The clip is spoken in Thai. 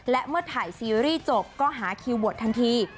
และเมื่อถ่ายซีรีส์จบก็หาคิวบวชทันที